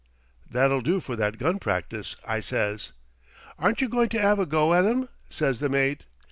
"That'll do for that gun practice,' I says. "'Aren't you goin' to 'ave a go at 'em?' says the mate.